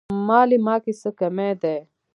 مالې ما کې څه کمی دی.